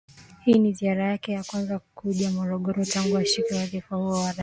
Hii ni ziara yake ya kwanza kuja Morogoro tangu ashike wadhifa huo wa Urais